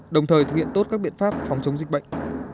đồng thời thực hiện tốt các biện pháp phòng chống dịch bệnh